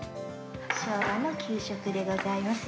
昭和の給食でございます。